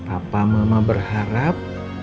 apa mama berharap